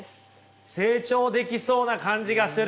成長できそうな感じがする。